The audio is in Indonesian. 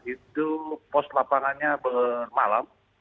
itu pos lapangannya bermalam